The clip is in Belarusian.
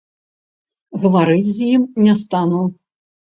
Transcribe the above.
Гаварыць з ім не стану!